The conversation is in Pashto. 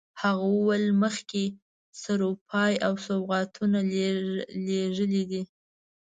هغه وویل مخکې سروپايي او سوغاتونه لېږلي دي.